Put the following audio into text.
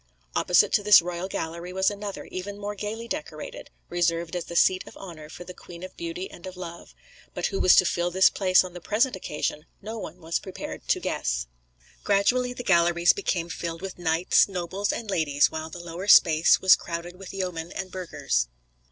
Opposite to this royal gallery was another, even more gaily decorated, reserved as the seat of honour for the Queen of Beauty and of Love. But who was to fill the place on the present occasion no one was prepared to guess. Gradually the galleries became filled with knights, nobles and ladies, while the lower space was crowded with yeomen and burghers.